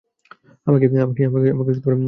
আমাকে মারছেন কেন স্যার?